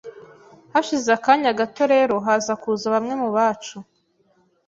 Hashize akanya gato rero haza kuza bamwe mu bacu